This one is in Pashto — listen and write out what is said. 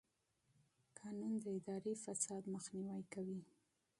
قانون د اداري فساد مخنیوی کوي.